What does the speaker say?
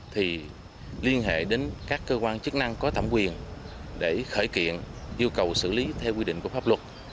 thì liên hệ đến các cơ quan chức năng có thẩm quyền để khởi kiện yêu cầu xử lý theo quy định của pháp luật